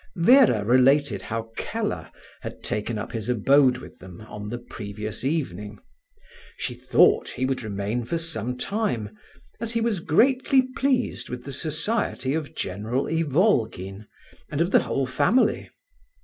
Vera related how Keller had taken up his abode with them on the previous evening. She thought he would remain for some time, as he was greatly pleased with the society of General Ivolgin and of the whole family.